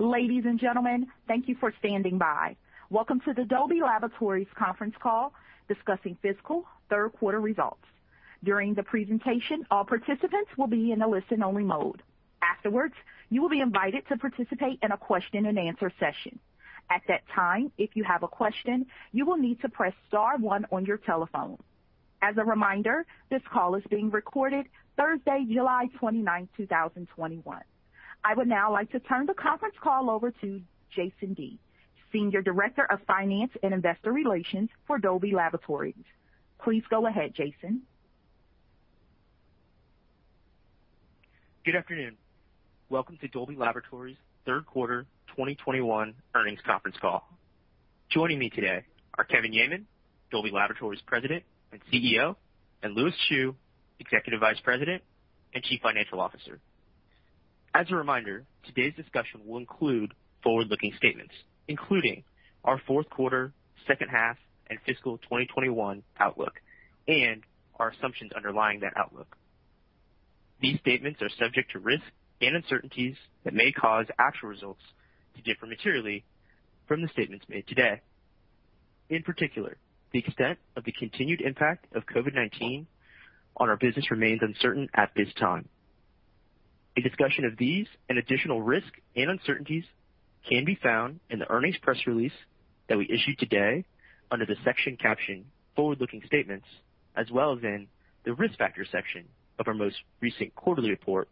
Ladies and gentlemen, thank you for standing by. Welcome to the Dolby Laboratories conference call discussing fiscal third quarter results. During the presentation, all participants will be in a listen-only mode. Afterwards, you will be invited to participate in a question-and-answer session. At that time, if you have a question, you will need to press star one on your telephone. As a reminder, this call is being recorded Thursday, July 29th, 2021. I would now like to turn the conference call over to Jason Dea, Senior Director of Finance and Investor Relations for Dolby Laboratories. Please go ahead, Jason. Good afternoon. Welcome to Dolby Laboratories' third quarter 2021 earnings conference call. Joining me today are Kevin Yeaman, Dolby Laboratories President and CEO, and Lewis Chew, Executive Vice President and Chief Financial Officer. As a reminder, today's discussion will include forward-looking statements, including our fourth quarter, second half, and fiscal 2021 outlook, and our assumptions underlying that outlook. These statements are subject to risks and uncertainties that may cause actual results to differ materially from the statements made today. In particular, the extent of the continued impact of COVID-19 on our business remains uncertain at this time. A discussion of these and additional risks and uncertainties can be found in the earnings press release that we issued today under the section captioned Forward-Looking Statements, as well as in the Risk Factors section of our most recent quarterly report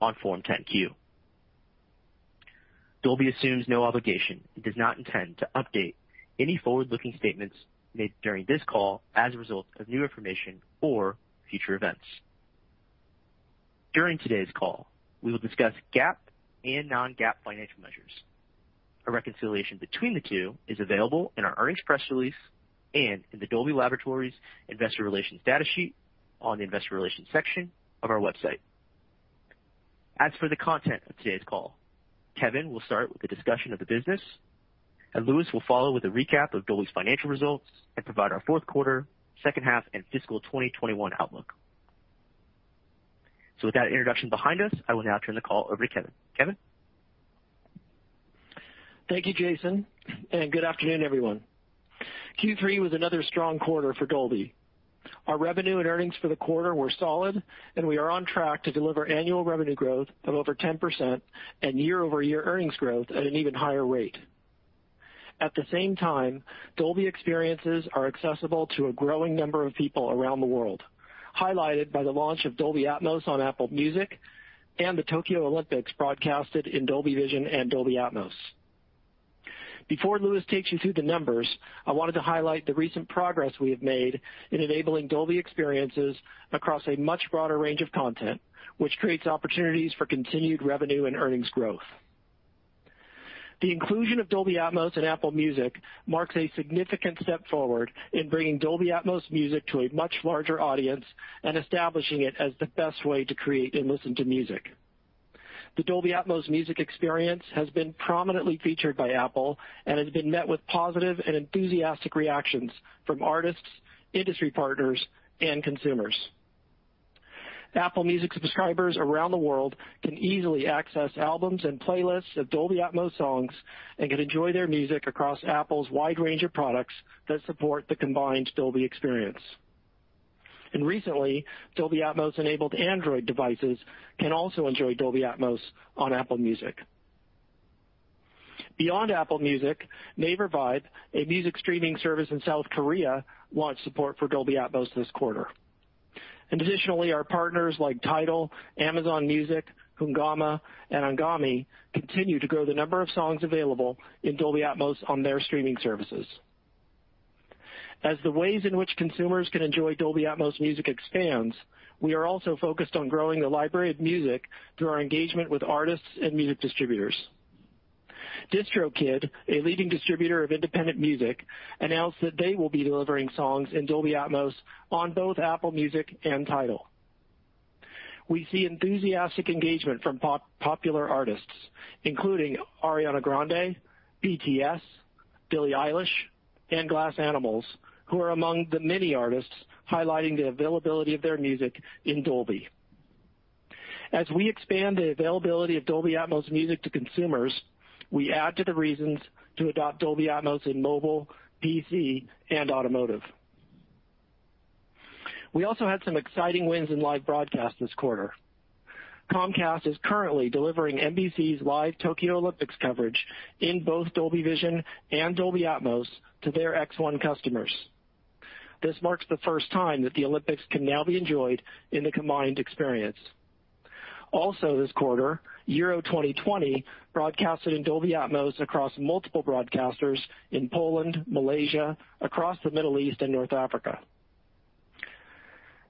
on Form 10-Q. Dolby assumes no obligation and does not intend to update any forward-looking statements made during this call as a result of new information or future events. During today's call, we will discuss GAAP and non-GAAP financial measures. A reconciliation between the two is available in our earnings press release and in the Dolby Laboratories investor relations data sheet on the investor relations section of our website. As for the content of today's call, Kevin will start with a discussion of the business, and Lewis will follow with a recap of Dolby's financial results and provide our fourth quarter, second half, and FY 2021 outlook. With that introduction behind us, I will now turn the call over to Kevin. Kevin? Thank you, Jason. Good afternoon, everyone. Q3 was another strong quarter for Dolby. Our revenue and earnings for the quarter were solid. We are on track to deliver annual revenue growth of over 10% and year-over-year earnings growth at an even higher rate. At the same time, Dolby experiences are accessible to a growing number of people around the world, highlighted by the launch of Dolby Atmos on Apple Music and the Tokyo Olympics broadcasted in Dolby Vision and Dolby Atmos. Before Lewis takes you through the numbers, I wanted to highlight the recent progress we have made in enabling Dolby experiences across a much broader range of content, which creates opportunities for continued revenue and earnings growth. The inclusion of Dolby Atmos in Apple Music marks a significant step forward in bringing Dolby Atmos music to a much larger audience and establishing it as the best way to create and listen to music. The Dolby Atmos music experience has been prominently featured by Apple and has been met with positive and enthusiastic reactions from artists, industry partners, and consumers. Apple Music subscribers around the world can easily access albums and playlists of Dolby Atmos songs and can enjoy their music across Apple's wide range of products that support the combined Dolby experience. Recently, Dolby Atmos-enabled Android devices can also enjoy Dolby Atmos on Apple Music. Beyond Apple Music, Naver Vibe, a music streaming service in South Korea, launched support for Dolby Atmos this quarter. Additionally, our partners like Tidal, Amazon Music, Hungama, and Anghami continue to grow the number of songs available in Dolby Atmos on their streaming services. As the ways in which consumers can enjoy Dolby Atmos music expands, we are also focused on growing the library of music through our engagement with artists and music distributors. DistroKid, a leading distributor of independent music, announced that they will be delivering songs in Dolby Atmos on both Apple Music and Tidal. We see enthusiastic engagement from popular artists, including Ariana Grande, BTS, Billie Eilish, and Glass Animals, who are among the many artists highlighting the availability of their music in Dolby. As we expand the availability of Dolby Atmos music to consumers, we add to the reasons to adopt Dolby Atmos in mobile, PC, and automotive. We also had some exciting wins in live broadcast this quarter. Comcast is currently delivering NBC's live Tokyo Olympics coverage in both Dolby Vision and Dolby Atmos to their X1 customers. This marks the first time that the Olympics can now be enjoyed in the combined experience. This quarter, Euro 2020 broadcasted in Dolby Atmos across multiple broadcasters in Poland, Malaysia, across the Middle East and North Africa.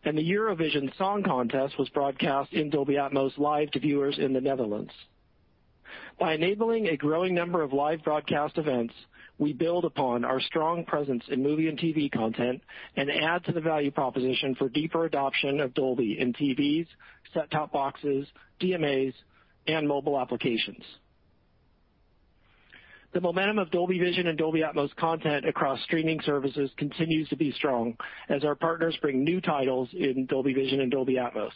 The Eurovision Song Contest was broadcast in Dolby Atmos live to viewers in the Netherlands. By enabling a growing number of live broadcast events, we build upon our strong presence in movie and TV content and add to the value proposition for deeper adoption of Dolby in TVs, set-top boxes, DMAs, and mobile applications. The momentum of Dolby Vision and Dolby Atmos content across streaming services continues to be strong as our partners bring new titles in Dolby Vision and Dolby Atmos.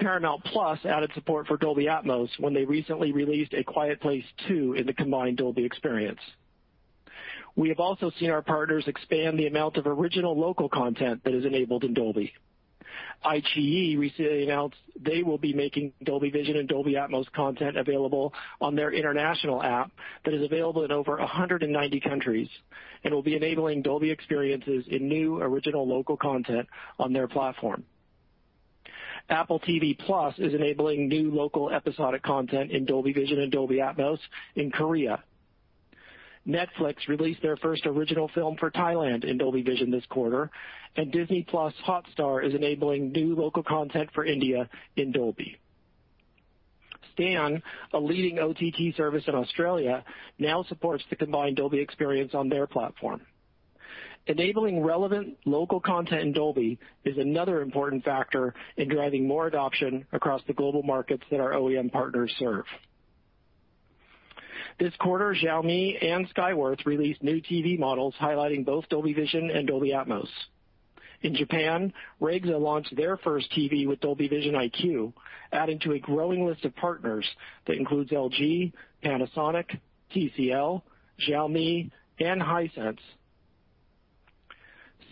Paramount+ added support for Dolby Atmos when they recently released "A Quiet Place 2" in the combined Dolby experience. We have also seen our partners expand the amount of original local content that is enabled in Dolby. iQIYI recently announced they will be making Dolby Vision and Dolby Atmos content available on their international app that is available in over 190 countries, and will be enabling Dolby experiences in new original local content on their platform. Apple TV+ is enabling new local episodic content in Dolby Vision and Dolby Atmos in Korea. Netflix released their first original film for Thailand in Dolby Vision this quarter, and Disney+ Hotstar is enabling new local content for India in Dolby. Stan, a leading OTT service in Australia, now supports the combined Dolby experience on their platform. Enabling relevant local content in Dolby is another important factor in driving more adoption across the global markets that our OEM partners serve. This quarter, Xiaomi and Skyworth released new TV models highlighting both Dolby Vision and Dolby Atmos. In Japan, Regza launched their first TV with Dolby Vision IQ, adding to a growing list of partners that includes LG, Panasonic, TCL, Xiaomi, and Hisense.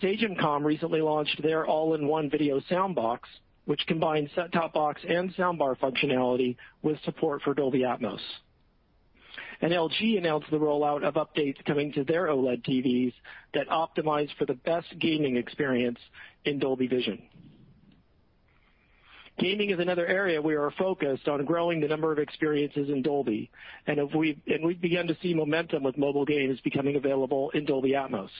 Sagemcom recently launched their all-in-one video sound box, which combines set-top box and soundbar functionality with support for Dolby Atmos. LG announced the rollout of updates coming to their OLED TVs that optimize for the best gaming experience in Dolby Vision. Gaming is another area we are focused on growing the number of experiences in Dolby, and we've begun to see momentum with mobile games becoming available in Dolby Atmos.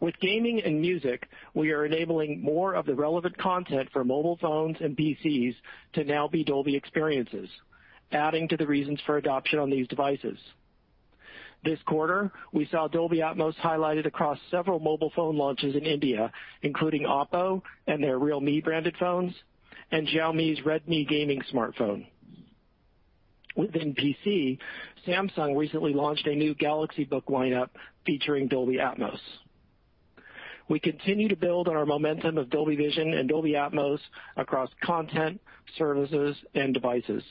With gaming and music, we are enabling more of the relevant content for mobile phones and PCs to now be Dolby experiences, adding to the reasons for adoption on these devices. This quarter, we saw Dolby Atmos highlighted across several mobile phone launches in India, including OPPO and their Realme branded phones, and Xiaomi's Redmi gaming smartphone. Within PC, Samsung recently launched a new Galaxy Book lineup featuring Dolby Atmos. We continue to build on our momentum of Dolby Vision and Dolby Atmos across content, services, and devices.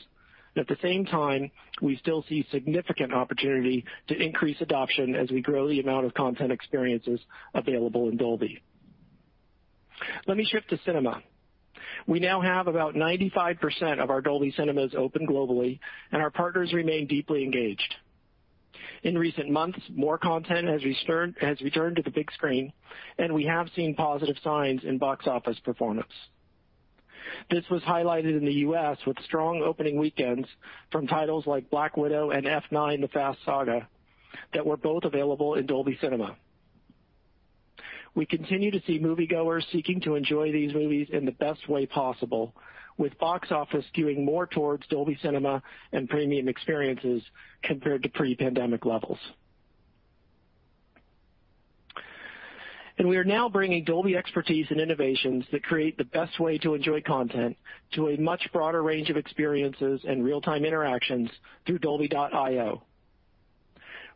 At the same time, we still see significant opportunity to increase adoption as we grow the amount of content experiences available in Dolby. Let me shift to cinema. We now have about 95% of our Dolby cinemas open globally, and our partners remain deeply engaged. In recent months, more content has returned to the big screen, and we have seen positive signs in box office performance. This was highlighted in the U.S. with strong opening weekends from titles like "Black Widow" and "F9: The Fast Saga" that were both available in Dolby Cinema. We continue to see moviegoers seeking to enjoy these movies in the best way possible, with box office skewing more towards Dolby Cinema and premium experiences compared to pre-pandemic levels. We are now bringing Dolby expertise and innovations that create the best way to enjoy content to a much broader range of experiences and real-time interactions through Dolby.io.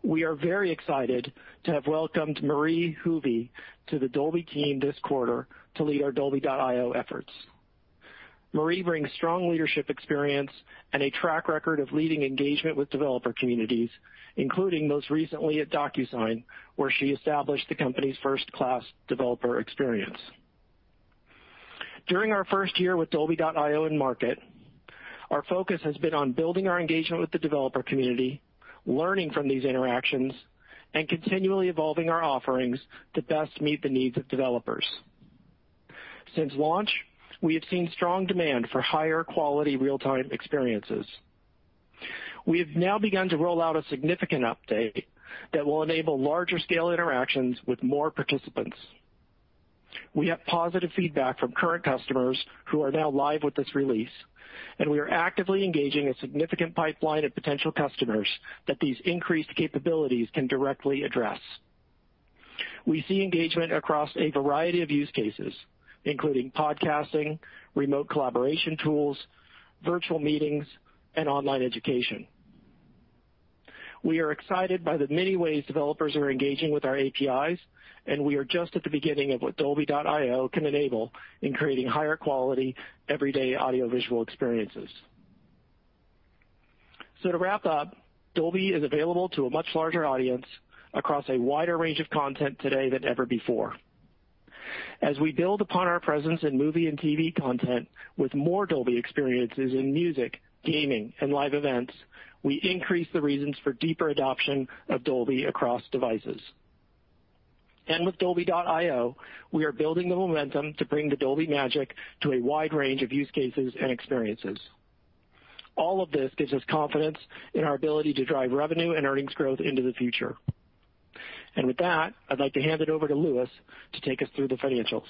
We are very excited to have welcomed Marie Huwe to the Dolby team this quarter to lead our Dolby.io efforts. Marie brings strong leadership experience and a track record of leading engagement with developer communities, including most recently at DocuSign, where she established the company's first-class developer experience. During our first year with Dolby.io in market, our focus has been on building our engagement with the developer community, learning from these interactions, and continually evolving our offerings to best meet the needs of developers. Since launch, we have seen strong demand for higher quality real-time experiences. We have now begun to roll out a significant update that will enable larger scale interactions with more participants. We have positive feedback from current customers who are now live with this release, and we are actively engaging a significant pipeline of potential customers that these increased capabilities can directly address. We see engagement across a variety of use cases, including podcasting, remote collaboration tools, virtual meetings, and online education. We are excited by the many ways developers are engaging with our APIs, and we are just at the beginning of what Dolby.io can enable in creating higher quality, everyday audiovisual experiences. To wrap up, Dolby is available to a much larger audience across a wider range of content today than ever before. As we build upon our presence in movie and TV content with more Dolby experiences in music, gaming, and live events, we increase the reasons for deeper adoption of Dolby across devices. With Dolby.io, we are building the momentum to bring the Dolby magic to a wide range of use cases and experiences. All of this gives us confidence in our ability to drive revenue and earnings growth into the future. With that, I'd like to hand it over to Lewis to take us through the financials.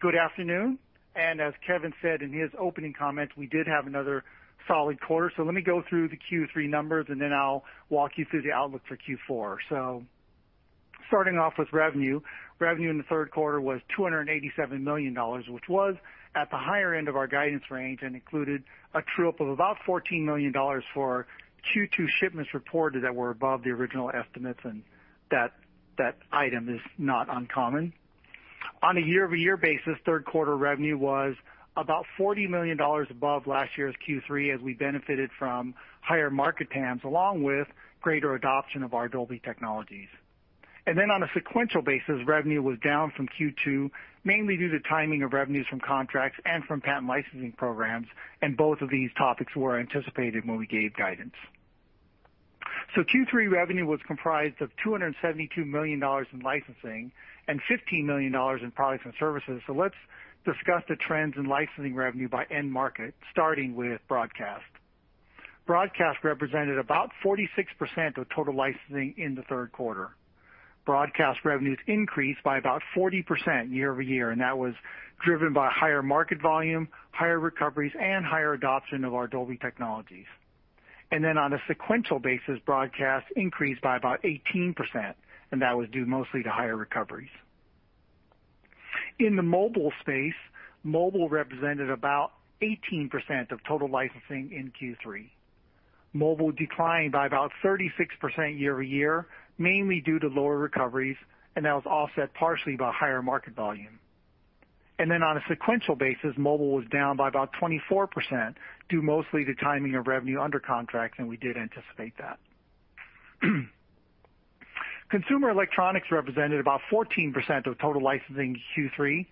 Good afternoon. As Kevin said in his opening comment, we did have another solid quarter. Let me go through the Q3 numbers, and then I'll walk you through the outlook for Q4. Starting off with revenue. Revenue in the third quarter was $287 million, which was at the higher end of our guidance range and included a true-up of about $14 million for Q2 shipments reported that were above the original estimates, and that item is not uncommon. On a year-over-year basis, third quarter revenue was about $40 million above last year's Q3 as we benefited from higher market TAMs, along with greater adoption of our Dolby technologies. On a sequential basis, revenue was down from Q2, mainly due to timing of revenues from contracts and from patent licensing programs, and both of these topics were anticipated when we gave guidance. Q3 revenue was comprised of $272 million in licensing and $15 million in products and services. Let's discuss the trends in licensing revenue by end market, starting with broadcast. Broadcast represented about 46% of total licensing in the third quarter. Broadcast revenues increased by about 40% year-over-year, and that was driven by higher market volume, higher recoveries, and higher adoption of our Dolby technologies. On a sequential basis, broadcast increased by about 18%, and that was due mostly to higher recoveries. In the mobile space, mobile represented about 18% of total licensing in Q3. Mobile declined by about 36% year-over-year, mainly due to lower recoveries, and that was offset partially by higher market volume. On a sequential basis, mobile was down by about 24%, due mostly to timing of revenue under contracts, and we did anticipate that. Consumer electronics represented about 14% of total licensing in Q3.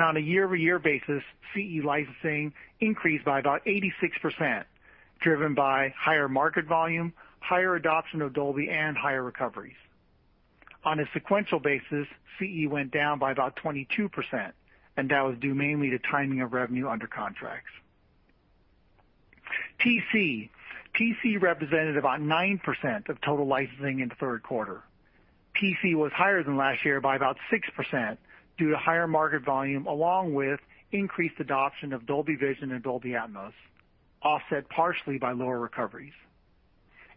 On a year-over-year basis, CE licensing increased by about 86%, driven by higher market volume, higher adoption of Dolby, and higher recoveries. On a sequential basis, CE went down by about 22%, and that was due mainly to timing of revenue under contracts. PC. PC represented about 9% of total licensing in the third quarter. PC was higher than last year by about 6%, due to higher market volume along with increased adoption of Dolby Vision and Dolby Atmos, offset partially by lower recoveries.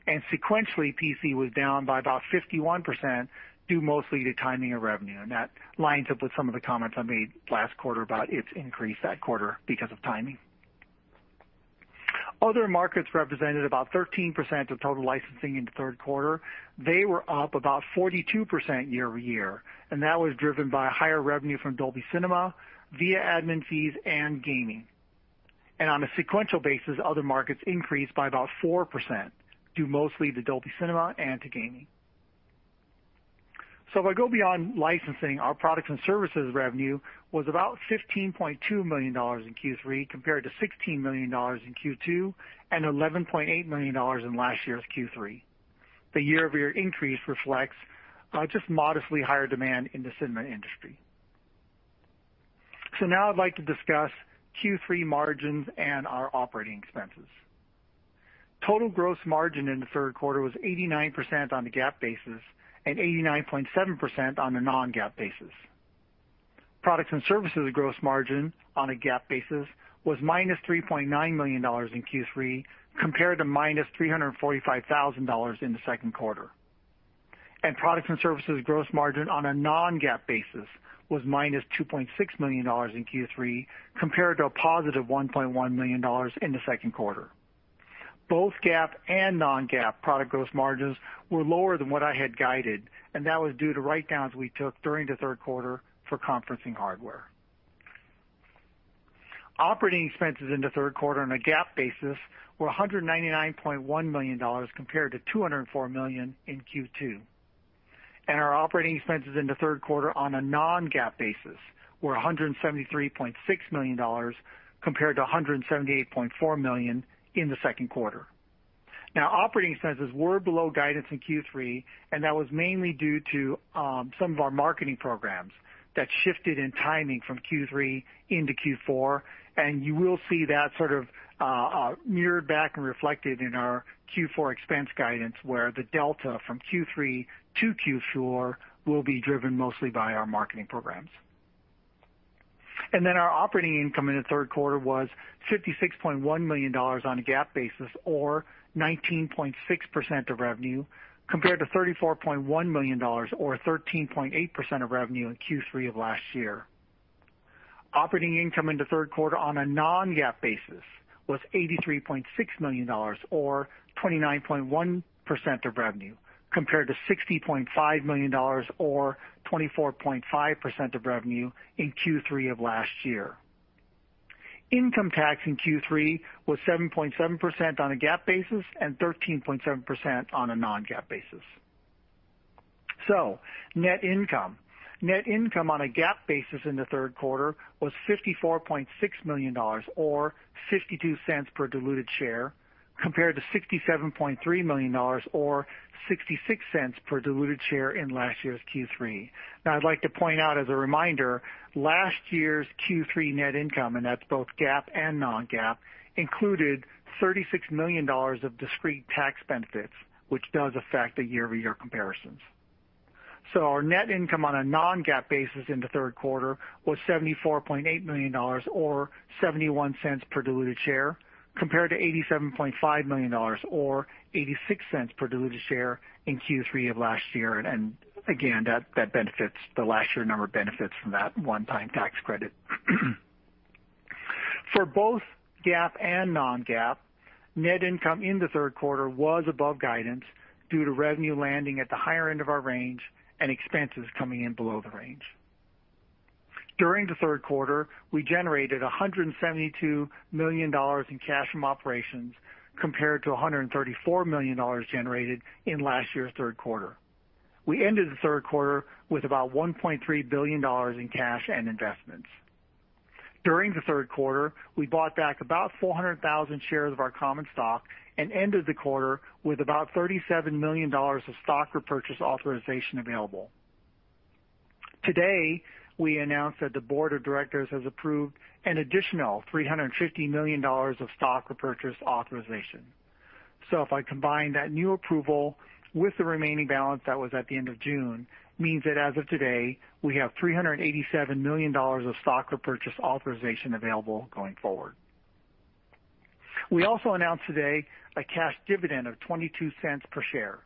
Sequentially, PC was down by about 51%, due mostly to timing of revenue, and that lines up with some of the comments I made last quarter about its increase that quarter because of timing. Other markets represented about 13% of total licensing in the third quarter. They were up about 42% year-over-year. That was driven by higher revenue from Dolby Cinema, via admin fees and gaming. On a sequential basis, other markets increased by about 4%, due mostly to Dolby Cinema and to gaming. If I go beyond licensing, our products and services revenue was about $15.2 million in Q3 compared to $16 million in Q2 and $11.8 million in last year's Q3. The year-over-year increase reflects just modestly higher demand in the cinema industry. Now I'd like to discuss Q3 margins and our operating expenses. Total gross margin in the third quarter was 89% on a GAAP basis and 89.7% on a non-GAAP basis. Products and services gross margin on a GAAP basis was -$3.9 million in Q3 compared to -$345,000 in the second quarter. Products and services gross margin on a non-GAAP basis was -$2.6 million in Q3 compared to a positive $1.1 million in the second quarter. Both GAAP and non-GAAP product gross margins were lower than what I had guided, and that was due to write-downs we took during the third quarter for conferencing hardware. Operating expenses in the third quarter on a GAAP basis were $199.1 million compared to $204 million in Q2. Our operating expenses in the third quarter on a non-GAAP basis were $173.6 million compared to $178.4 million in the second quarter. Operating expenses were below guidance in Q3, and that was mainly due to some of our marketing programs that shifted in timing from Q3 into Q4. You will see that sort of mirrored back and reflected in our Q4 expense guidance, where the delta from Q3 to Q4 will be driven mostly by our marketing programs. Our operating income in the third quarter was $56.1 million on a GAAP basis or 19.6% of revenue, compared to $34.1 million or 13.8% of revenue in Q3 of last year. Operating income in the third quarter on a non-GAAP basis was $83.6 million or 29.1% of revenue, compared to $60.5 million or 24.5% of revenue in Q3 of last year. Income tax in Q3 was 7.7% on a GAAP basis and 13.7% on a non-GAAP basis. Net income. Net income on a GAAP basis in the third quarter was $54.6 million or $0.52 per diluted share, compared to $67.3 million or $0.66 per diluted share in last year's Q3. I'd like to point out as a reminder, last year's Q3 net income, and that's both GAAP and non-GAAP, included $36 million of discrete tax benefits, which does affect the year-over-year comparisons. Our net income on a non-GAAP basis in the third quarter was $74.8 million or $0.71 per diluted share, compared to $87.5 million or $0.86 per diluted share in Q3 of last year. Again, the last year number benefits from that one-time tax credit. For both GAAP and non-GAAP, net income in the third quarter was above guidance due to revenue landing at the higher end of our range and expenses coming in below the range. During the third quarter, we generated $172 million in cash from operations, compared to $134 million generated in last year's third quarter. We ended the third quarter with about $1.3 billion in cash and investments. During the third quarter, we bought back about 400,000 shares of our common stock and ended the quarter with about $37 million of stock repurchase authorization available. Today, we announced that the board of directors has approved an additional $350 million of stock repurchase authorization. If I combine that new approval with the remaining balance that was at the end of June, means that as of today, we have $387 million of stock repurchase authorization available going forward. We also announced today a cash dividend of $0.22 per share.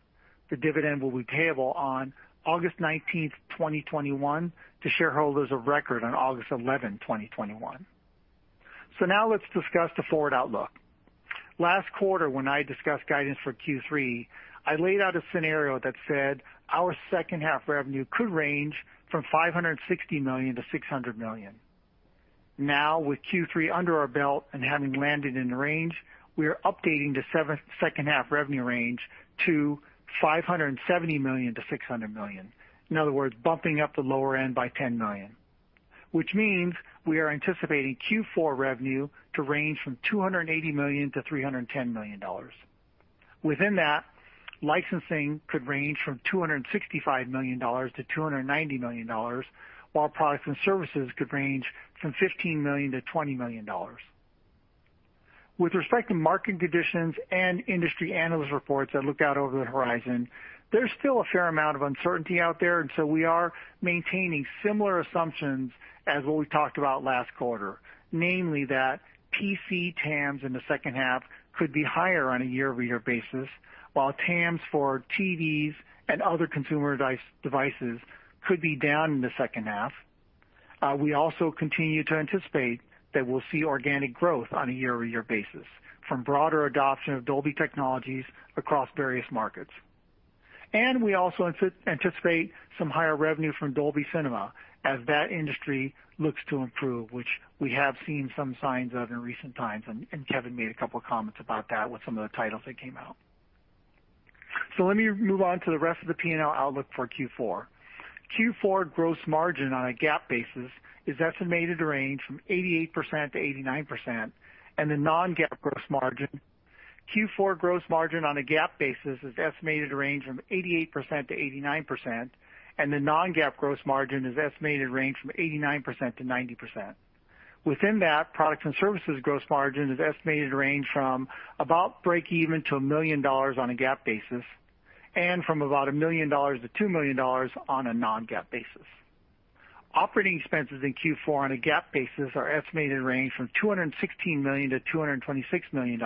The dividend will be payable on August 19th, 2021, to shareholders of record on August 11, 2021. Now let's discuss the forward outlook. Last quarter, when I discussed guidance for Q3, I laid out a scenario that said our second-half revenue could range from $560 million-$600 million. With Q3 under our belt and having landed in the range, we are updating the second half revenue range to $570 million-$600 million. In other words, bumping up the lower end by $10 million. We are anticipating Q4 revenue to range from $280 million-$310 million. Within that, licensing could range from $265 million-$290 million, while products and services could range from $15 million-$20 million. With respect to market conditions and industry analyst reports that look out over the horizon, there's still a fair amount of uncertainty out there, we are maintaining similar assumptions as what we talked about last quarter, namely that PC TAMs in the second half could be higher on a year-over-year basis, while TAMs for TVs and other consumer devices could be down in the second half. We also continue to anticipate that we'll see organic growth on a year-over-year basis from broader adoption of Dolby technologies across various markets. We also anticipate some higher revenue from Dolby Cinema as that industry looks to improve, which we have seen some signs of in recent times, and Kevin made a couple of comments about that with some of the titles that came out. Let me move on to the rest of the P&L outlook for Q4. Q4 gross margin on a GAAP basis is estimated to range from 88%-89%, and the non-GAAP gross margin is estimated to range from 89%-90%. Within that, products and services gross margin is estimated to range from about breakeven to $1 million on a GAAP basis and from about $1 million-$2 million on a non-GAAP basis. Operating expenses in Q4 on a GAAP basis are estimated to range from $216 million-$226 million.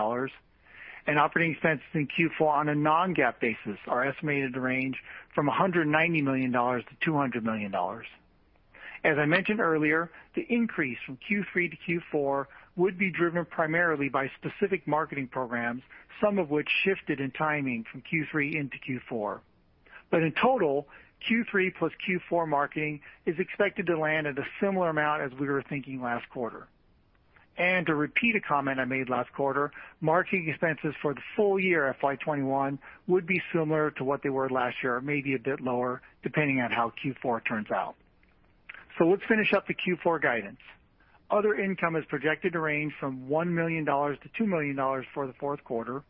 Operating expenses in Q4 on a non-GAAP basis are estimated to range from $190 million-$200 million. As I mentioned earlier, the increase from Q3 to Q4 would be driven primarily by specific marketing programs, some of which shifted in timing from Q3 into Q4. In total, Q3 plus Q4 marketing is expected to land at a similar amount as we were thinking last quarter. To repeat a comment I made last quarter, marketing expenses for the full year FY 2021 would be similar to what they were last year, maybe a bit lower, depending on how Q4 turns out. Let's finish up the Q4 guidance. Other income is projected to range from $1 million - $2 million for the fourth quarter,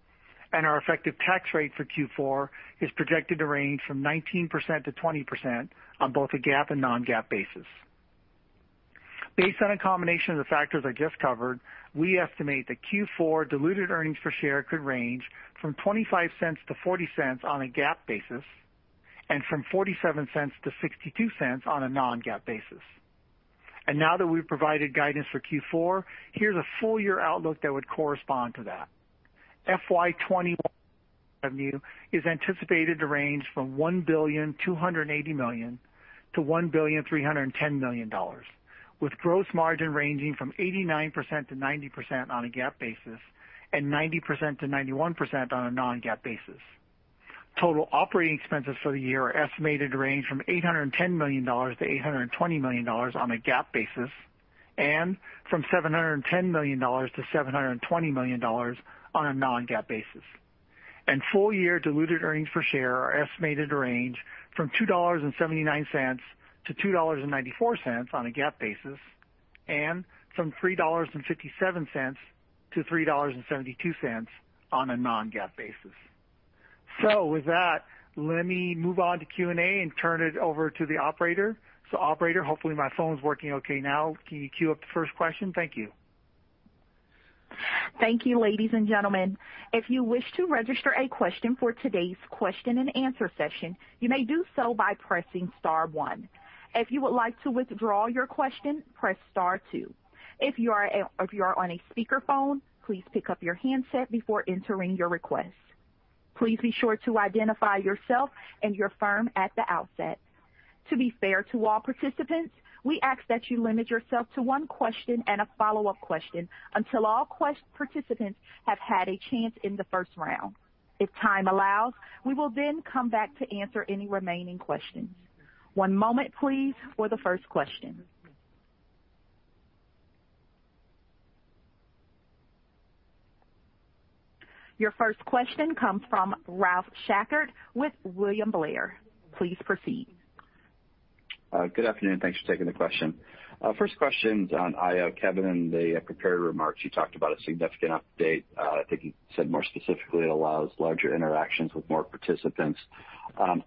and our effective tax rate for Q4 is projected to range from 19%-20% on both a GAAP and non-GAAP basis. Based on a combination of the factors I just covered, we estimate that Q4 diluted earnings per share could range from $0.25 - $0.40 on a GAAP basis and from $0.47 - $0.62 on a non-GAAP basis. Now that we've provided guidance for Q4, here's a full year outlook that would correspond to that. FY 2021 revenue is anticipated to range from $1.28 billion - $1.31 billion, with gross margin ranging from 89%-90% on a GAAP basis and 90%-91% on a non-GAAP basis. Total operating expenses for the year are estimated to range from $810 million-$820 million on a GAAP basis and from $710 million-$720 million on a non-GAAP basis. Full-year diluted earnings per share are estimated to range from $2.79-$2.94 on a GAAP basis, and from $3.57-$3.72 on a non-GAAP basis. With that, let me move on to Q&A and turn it over to the operator. Operator, hopefully my phone's working okay now. Can you queue up the first question? Thank you. Thank you, ladies and gentlemen. If you wish to register a question for today's question-and-answer session, you may do so by pressing star one. If you would like to withdraw your question, press star two. If you are on a speakerphone, please pick up your handset before entering your request. Please be sure to identify yourself and your firm at the outset. To be fair to all participants, we ask that you limit yourself to one question and a follow-up question until all participants have had a chance in the first round. If time allows, we will then come back to answer any remaining questions. One moment please for the first question. Your firs`t question comes from Ralph Schackart with William Blair. Please proceed. Good afternoon. Thanks for taking the question. First question is on io. Kevin, in the prepared remarks, you talked about a significant update. I think you said more specifically it allows larger interactions with more participants.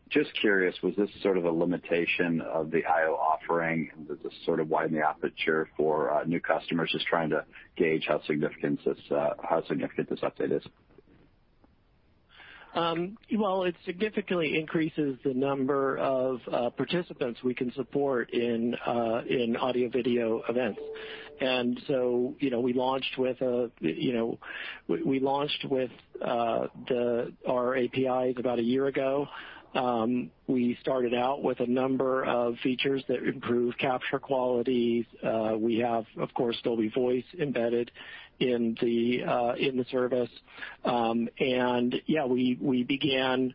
Just curious, was this sort of a limitation of the io offering? Does this sort of widen the aperture for new customers? Just trying to gauge how significant this update is. Well, it significantly increases the number of participants we can support in audio-video events. We launched with our APIs about a year ago. We started out with a number of features that improve capture quality. We have, of course, Dolby Voice embedded in the service. Yeah, we began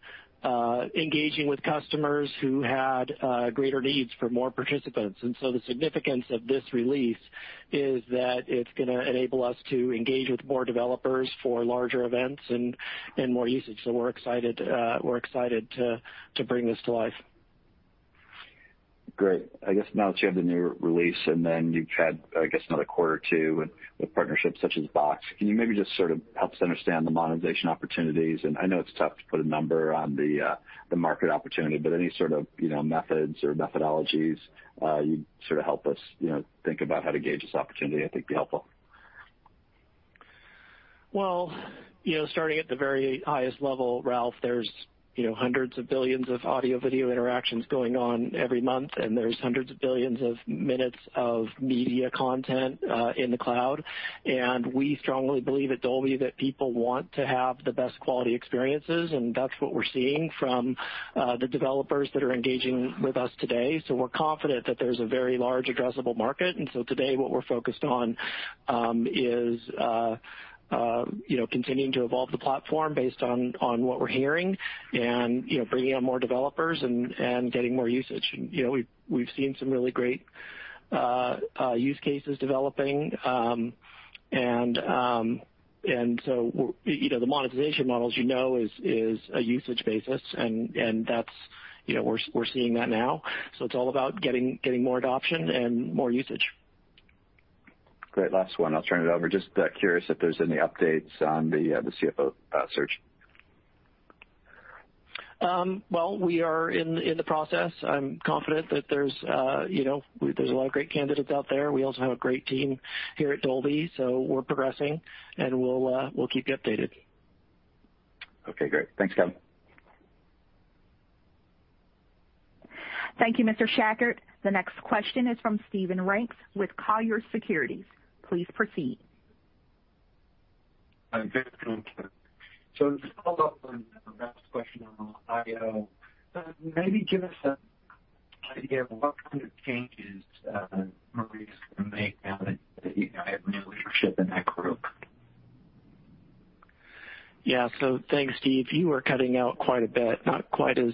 engaging with customers who had greater needs for more participants. The significance of this release is that it is going to enable us to engage with more developers for larger events and more usage. We are excited to bring this to life. Great. I guess now that you have the new release and then you've had, I guess, another quarter, two with partnerships such as Box, can you maybe just sort of help us understand the monetization opportunities? I know it's tough to put a number on the market opportunity, but any sort of methods or methodologies you'd sort of help us think about how to gauge this opportunity I think would be helpful. Well, starting at the very highest level, Ralph, there's hundreds of billions of audio-video interactions going on every month, and there's hundreds of billions of minutes of media content in the cloud. We strongly believe at Dolby that people want to have the best quality experiences, and that's what we're seeing from the developers that are engaging with us today. We're confident that there's a very large addressable market. Today what we're focused on is continuing to evolve the platform based on what we're hearing and bringing on more developers and getting more usage. We've seen some really great use cases developing. The monetization models you know is a usage basis. We're seeing that now. It's all about getting more adoption and more usage. Great. Last one, I'll turn it over. Just curious if there's any updates on the CFO search. Well, we are in the process. I'm confident that there's a lot of great candidates out there. We also have a great team here at Dolby. We're progressing, and we'll keep you updated. Okay, great. Thanks, Kevin. Thank you, Mr. Schackart. The next question is from Steven Frankel with Colliers Securities. Please proceed. To follow up on Ralph's question on Dolby.io, maybe give us an idea of what kind of changes Marie is going to make now that you have new leadership in that group. Yeah. Thanks, Steve. You were cutting out quite a bit. Not quite as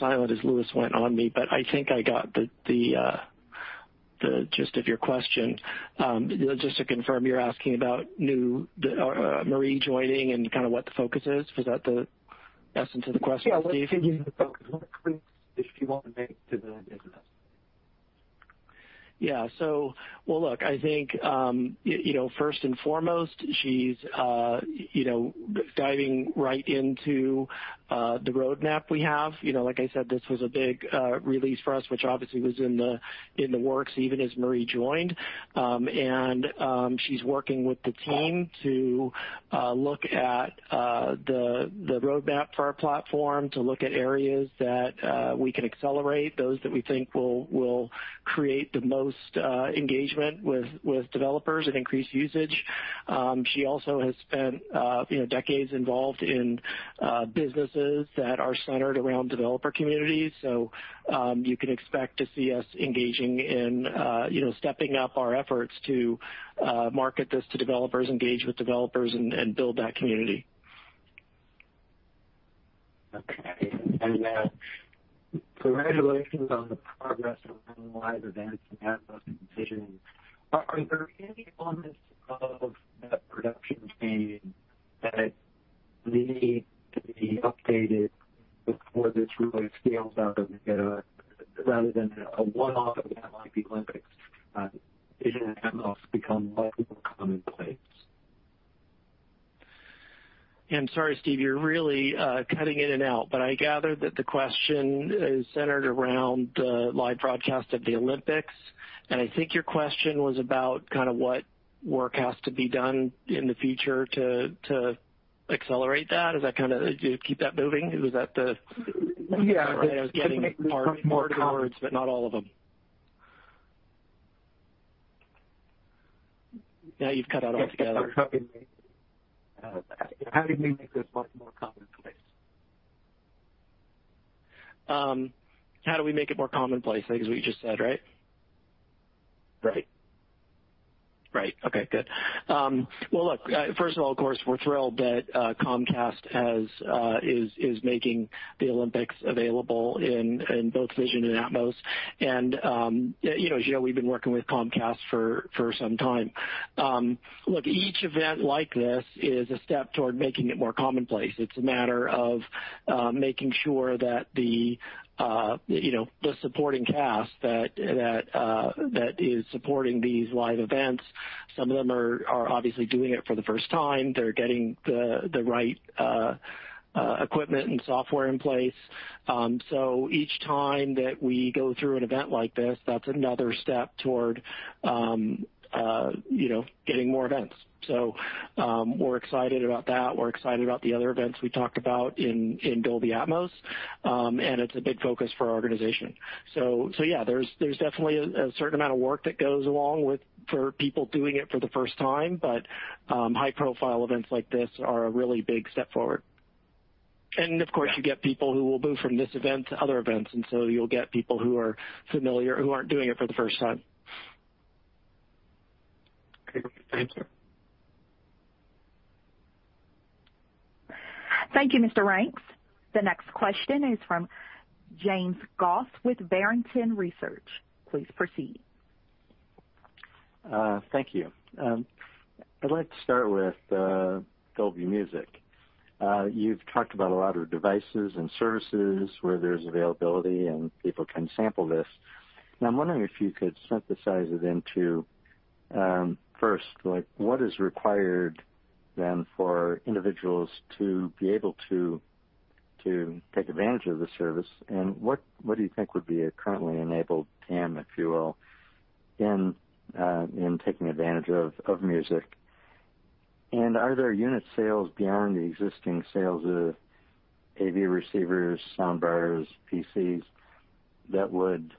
silent as Lewis went on me, but I think I got the gist of your question. Just to confirm, you're asking about Marie joining and kind of what the focus is. Was that the essence of the question, Steve? Yeah. What changes in focus, what tweaks is she want to make to the business? Well, look, I think, first and foremost, she's diving right into the roadmap we have. Like I said, this was a big release for us, which obviously was in the works even as Marie joined. She's working with the team to look at the roadmap for our platform, to look at areas that we can accelerate, those that we think will create the most engagement with developers and increase usage. She also has spent decades involved in businesses that are centered around developer communities. You can expect to see us engaging in stepping up our efforts to market this to developers, engage with developers, and build that community. Okay. Congratulations on the progress around live events and Atmos positioning. Are there any elements of that production chain that need to be updated before this really scales out and rather than a one-off event like the Olympics, Vision Atmos become more commonplace? I'm sorry, Steve, you're really cutting in and out, but I gather that the question is centered around the live broadcast of the Olympics, and I think your question was about kind of what work has to be done in the future to accelerate that. Is that kind of keep that moving? Was that? Yeah. I was getting part of the words, but not all of them. Now you've cut out altogether. How do we make this much more commonplace? How do we make it more commonplace, I think is what you just said, right? Right. Right. Okay, good. Well, look, first of all, of course, we're thrilled that Comcast is making the Olympics available in both Vision and Atmos. As you know, we've been working with Comcast for some time. Each event like this is a step toward making it more commonplace. It's a matter of making sure that the supporting cast that is supporting these live events, some of them are obviously doing it for the first time. They're getting the right equipment and software in place. Each time that we go through an event like this, that's another step toward getting more events. We're excited about that. We're excited about the other events we talked about in Dolby Atmos. It's a big focus for our organization. Yeah, there's definitely a certain amount of work that goes along with, for people doing it for the first time. High-profile events like this are a really big step forward. Of course, you get people who will move from this event to other events, and so you'll get people who are familiar, who aren't doing it for the first time. Okay. Thank you. Thank you, Mr. Frankel. The next question is from James Goss with Barrington Research. Please proceed. Thank you. I'd like to start with Dolby Music. You've talked about a lot of devices and services where there's availability and people can sample this. Now, I'm wondering if you could synthesize it into, first, what is required, then, for individuals to be able to take advantage of the service, and what do you think would be a currently enabled TAM, if you will, in taking advantage of music? Are there unit sales beyond the existing sales of AV receivers, soundbars, PCs, that would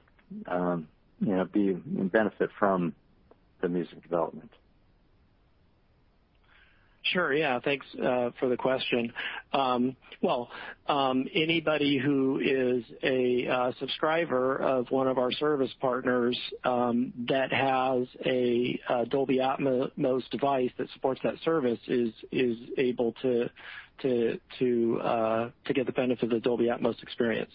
benefit from the music development? Sure, yeah. Thanks for the question. Well, anybody who is a subscriber of one of our service partners, that has a Dolby Atmos device that supports that service is able to get the benefit of the Dolby Atmos experience.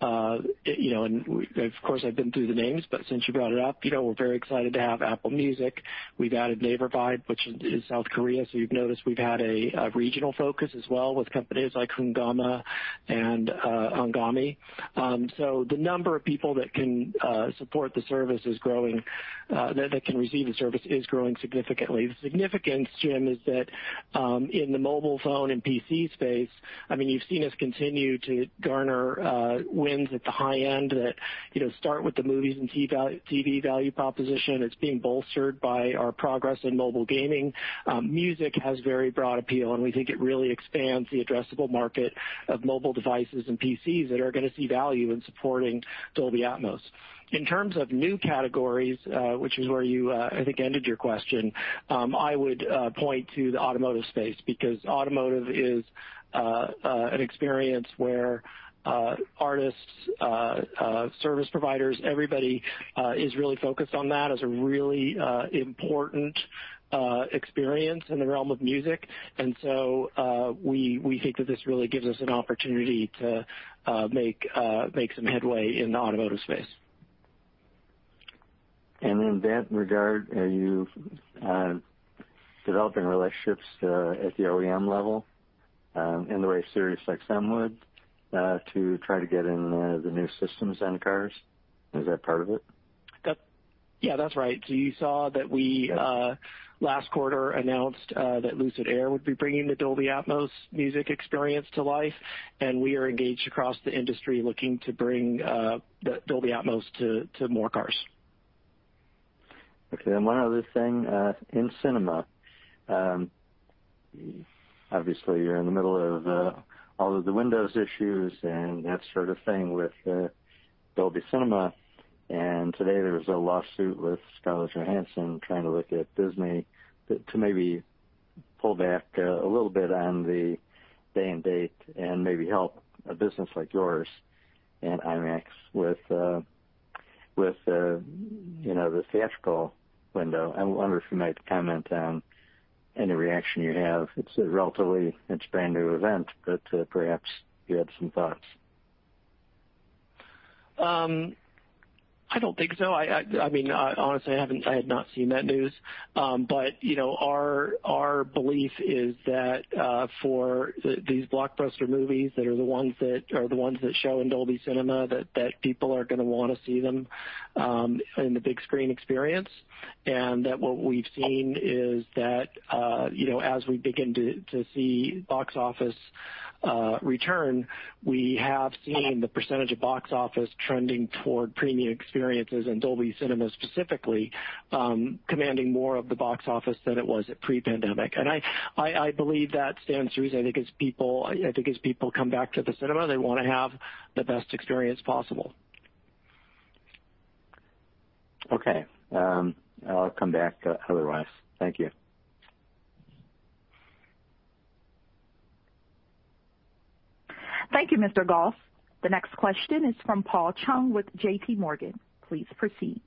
Of course, I've been through the names, but since you brought it up, we're very excited to have Apple Music. We've added Naver Vibe, which is South Korea. You've noticed we've had a regional focus as well with companies like Hungama and Anghami. The number of people that can support the service is growing, that can receive the service is growing significantly. The significance, Jim, is that, in the mobile phone and PC space, you've seen us continue to garner wins at the high end that start with the movies and TV value proposition. It's being bolstered by our progress in mobile gaming. Music has very broad appeal, and we think it really expands the addressable market of mobile devices and PCs that are going to see value in supporting Dolby Atmos. In terms of new categories, which is where you, I think, ended your question, I would point to the automotive space because automotive is an experience where artists, service providers, everybody is really focused on that as a really important experience in the realm of music. We think that this really gives us an opportunity to make some headway in the automotive space. In that regard, are you developing relationships at the OEM level, in the way SiriusXM would, to try to get in the new systems in cars? Is that part of it? Yeah, that's right. You saw that we, last quarter, announced that Lucid Air would be bringing the Dolby Atmos music experience to life, and we are engaged across the industry looking to bring the Dolby Atmos to more cars. Okay. One other thing, in cinema. Obviously, you're in the middle of all of the windows issues and that sort of thing with Dolby Cinema. Today, there was a lawsuit with Scarlett Johansson trying to look at Disney to maybe pull back a little bit on the day and date and maybe help a business like yours and IMAX with the theatrical window. I wonder if you might comment on any reaction you have. It's a relatively brand-new event, perhaps you had some thoughts. I don't think so. Honestly, I had not seen that news. Our belief is that, for these blockbuster movies that are the ones that show in Dolby Cinema, that people are going to want to see them in the big screen experience. That what we've seen is that, as we begin to see box office return, we have seen the percentage of box office trending toward premium experiences and Dolby Cinema specifically, commanding more of the box office than it was at pre-pandemic. I believe that stands true as I think as people come back to the cinema, they want to have the best experience possible. Okay. I'll come back otherwise. Thank you. Thank you, Mr. Goss. The next question is from Paul Chung with J.P. Morgan. Please proceed.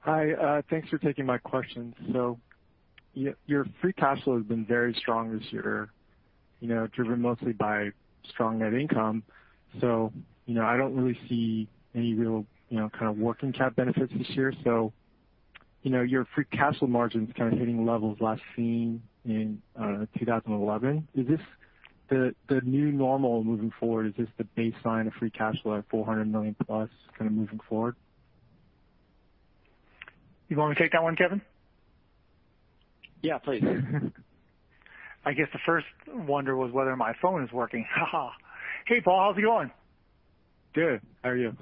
Hi. Thanks for taking my questions. Your free cash flow has been very strong this year, driven mostly by strong net income. I don't really see any real kind of working cap benefits this year. Your free cash flow margin's kind of hitting levels last seen in 2011. Is this the new normal moving forward? Is this the baseline of free cash flow at $400 million plus kind of moving forward? You want me to take that one, Kevin? Yeah, please. I guess the first wonder was whether my phone is working. Hey, Paul. How's it going? Good. How are you?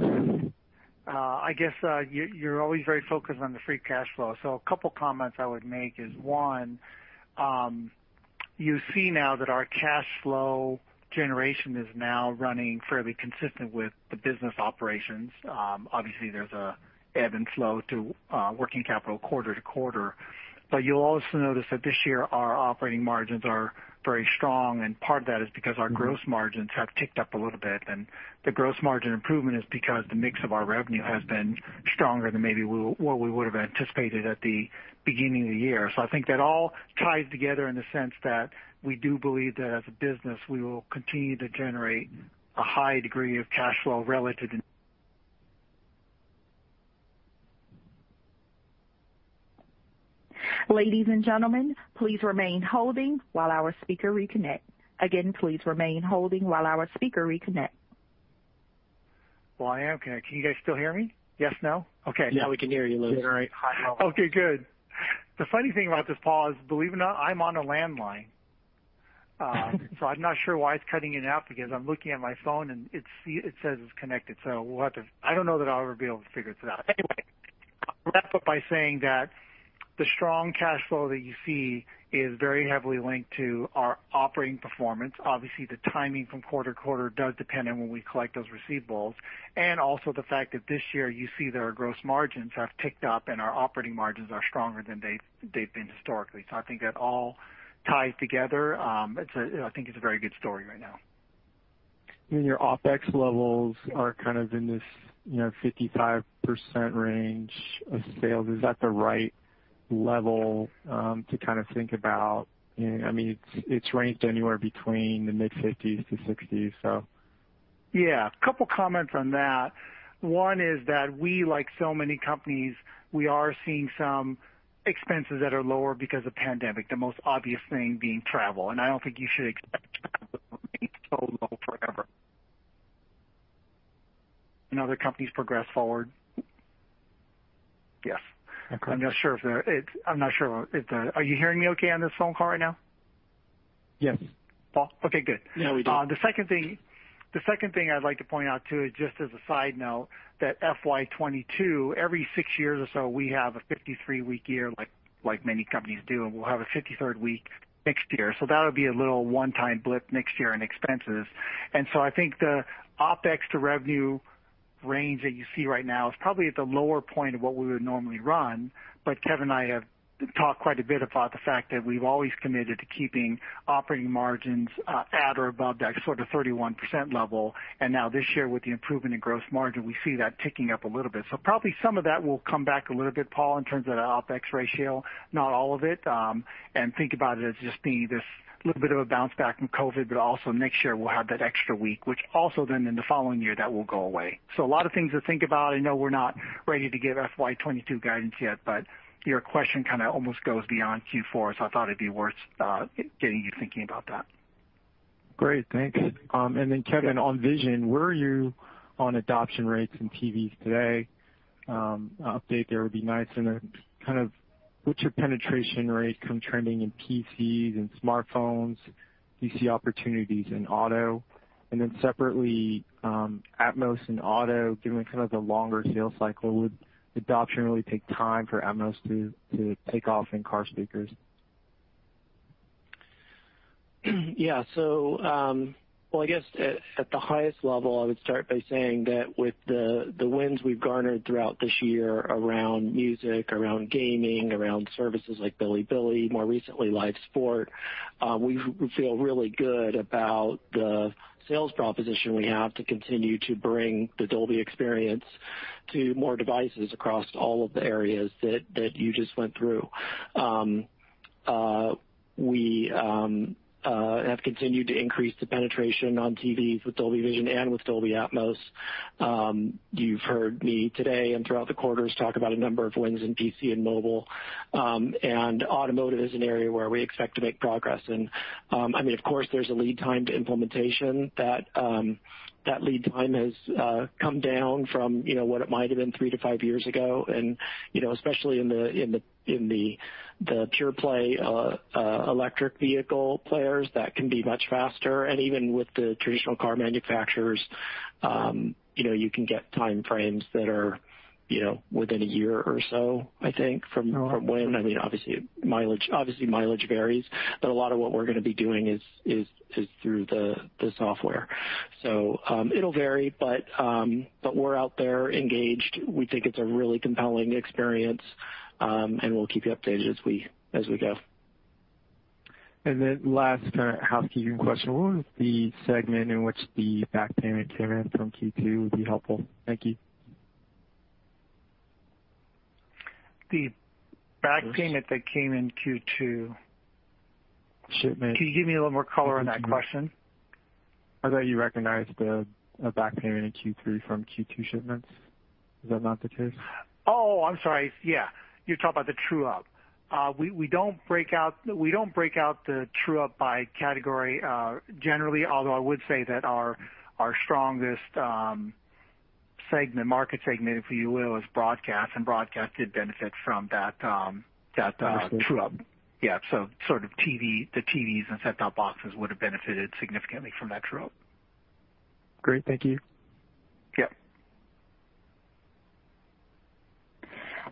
I guess you're always very focused on the free cash flow. A couple of comments I would make is, one, you see now that our cash flow generation is now running fairly consistent with the business operations. Obviously there's a ebb and flow to working capital quarter-to-quarter. You'll also notice that this year our operating margins are very strong, and part of that is because our gross margins have ticked up a little bit. The gross margin improvement is because the mix of our revenue has been stronger than maybe what we would've anticipated at the beginning of the year. I think that all ties together in the sense that we do believe that as a business we will continue to generate a high degree of cash flow relative to. Ladies and gentlemen, please remain holding while our speaker reconnect. Again, please remain holding while our speaker reconnect. Well, I am. Can you guys still hear me? Yes, no? Okay. Yeah, we can hear you, Lou. Yeah. All right. Okay, good. The funny thing about this, Paul, is believe it or not, I'm on a landline. I'm not sure why it's cutting in and out because I'm looking at my phone and it says it's connected. I don't know that I'll ever be able to figure this out. Anyway, I'll wrap up by saying that the strong cash flow that you see is very heavily linked to our operating performance. Obviously, the timing from quarter-to-quarter does depend on when we collect those receivables. The fact that this year you see that our gross margins have ticked up and our operating margins are stronger than they've been historically. I think that all ties together. I think it's a very good story right now. Your OpEx levels are kind of in this 55% range of sales. Is that the right level to kind of think about? It's ranked anywhere between the mid-50s to 60s. Yeah. A couple comments on that. One is that we, like so many companies, we are seeing some expenses that are lower because of the pandemic, the most obvious thing being travel. I don't think you should expect travel to remain so low forever. Other companies progress forward. Yes. Okay. Are you hearing me okay on this phone call right now? Yes. Paul? Okay, good. Yeah, we do. The second thing I'd like to point out too, just as a side note, that FY 2022, every six years or so we have a 53-week year like many companies do, and we'll have a 53rd week next year. That'll be a little one-time blip next year in expenses. I think the OpEx to revenue range that you see right now is probably at the lower point of what we would normally run. Kevin and I have talked quite a bit about the fact that we've always committed to keeping operating margins at or above that sort of 31% level. Now this year with the improvement in gross margin, we see that ticking up a little bit. Probably some of that will come back a little bit, Paul, in terms of the OpEx ratio, not all of it. Think about it as just being this little bit of a bounce back from COVID, but also next year we'll have that extra week, which also then in the following year that will go away. A lot of things to think about. I know we're not ready to give FY 2022 guidance yet. Your question kind of almost goes beyond Q4. I thought it'd be worth getting you thinking about that. Great. Thanks. Kevin, on Vision, where are you on adoption rates in TVs today? Update there would be nice. Kind of what's your penetration rate from trending in PCs and smartphones? Do you see opportunities in auto? Separately, Atmos and auto, given kind of the longer sales cycle, would adoption really take time for Atmos to take off in car speakers? Well, I guess at the highest level, I would start by saying that with the wins we've garnered throughout this year around music, around gaming, around services like Bilibili, more recently live sport, we feel really good about the sales proposition we have to continue to bring the Dolby experience to more devices across all of the areas that you just went through. We have continued to increase the penetration on TVs with Dolby Vision and with Dolby Atmos. You've heard me today and throughout the quarters talk about a number of wins in PC and mobile. Automotive is an area where we expect to make progress in. Of course, there's a lead time to implementation. That lead time has come down from what it might've been three to five years ago. Especially in the pure play electric vehicle players, that can be much faster. Even with the traditional car manufacturers, you can get time frames that are within a year or so, I think, from when. Obviously mileage varies, but a lot of what we're going to be doing is through the software. It'll vary, but we're out there engaged. We think it's a really compelling experience. We'll keep you updated as we go. Last kind of housekeeping question. What was the segment in which the back payment came in from Q2 would be helpful. Thank you. The back payment that came in Q2. Shipment. Can you give me a little more color on that question? I thought you recognized a back payment in Q3 from Q2 shipments. Is that not the case? I'm sorry. Yeah. You're talking about the true-up. We don't break out the true-up by category generally, although I would say that our strongest market segment, if you will, is broadcast, and broadcast did benefit from that true-up. Understood. Yeah. sort of the TVs and set-top boxes would've benefited significantly from that true-up. Great. Thank you. Yep.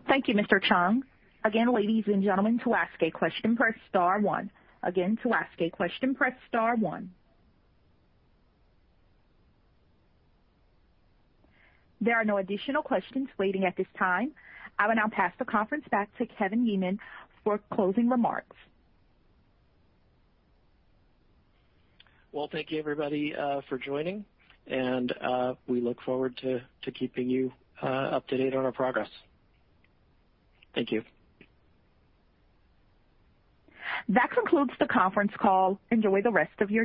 Thank you, Mr. Chung. Again, ladies and gentlemen, to ask a question, press star 1. Again, to ask a question, press star 1. There are no additional questions waiting at this time. I will now pass the conference back to Kevin Yeaman for closing remarks. Well, thank you everybody for joining, and we look forward to keeping you up to date on our progress. Thank you. That concludes the conference call. Enjoy the rest of your day.